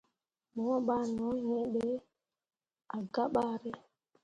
Mo ɓah no hĩĩ ɓe ah gah bare.